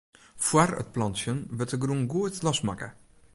Fóár it ferplantsjen wurdt de grûn goed losmakke.